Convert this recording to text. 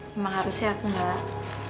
memang harusnya aku gak